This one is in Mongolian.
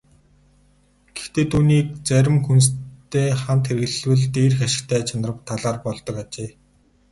Гэхдээ түүнийг зарим хүнстэй хамт хэрэглэвэл дээрх ашигтай чанар талаар болдог ажээ.